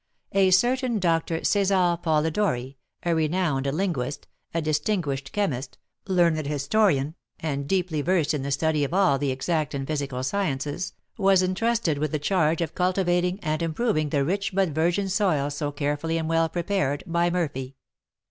A certain Doctor César Polidori, a renowned linguist, a distinguished chemist, learned historian, and deeply versed in the study of all the exact and physical sciences, was entrusted with the charge of cultivating and improving the rich but virgin soil so carefully and well prepared by Murphy.